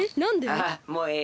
あっもうええ。